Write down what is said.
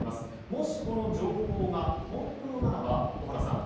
もし、この情報が本当ならば小原さん